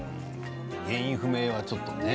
原因不明はちょっとね。